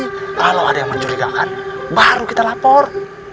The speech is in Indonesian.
kalau ada yang mencurigakan baru kita lapor